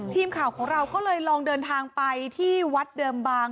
ทีมข่าวของเราก็เลยลองเดินทางไปที่วัดเดิมบาง